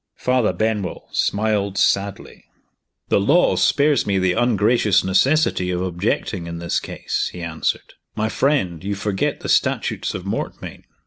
Father Benwell smiled sadly. "The law spares me the ungracious necessity of objecting, in this case," he answered. "My friend, you forget the Statutes of Mortmain.